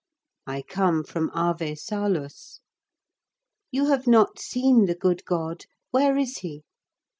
'I come from Ave Salus.' 'You have not seen the good God; where is he?